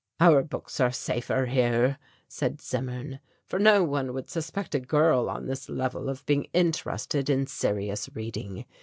"Our books are safer here," said Zimmern, "for no one would suspect a girl on this level of being interested in serious reading.